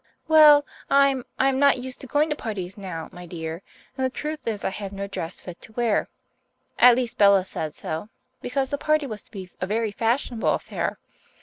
"Well, I'm I'm not used to going to parties now, my dear. And the truth is I have no dress fit to wear. At least Bella said so, because the party was to be a very fashionable affair.